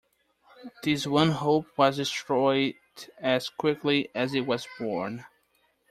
This one hope was destroyed as quickly as it was born.